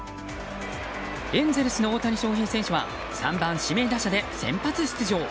エンゼルスの大谷翔平選手は３番指名打者で先発出場。